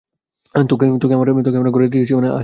তোকে আমার ঘরের ত্রি-সীমানায় আসতে বারণ করেছি না?